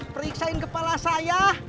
periksain kepala saya